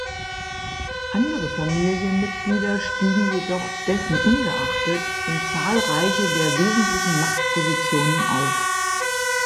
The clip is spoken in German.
Andere Familienmitglieder stiegen jedoch dessen ungeachtet in zahlreiche der wesentlichen Machtpositionen auf.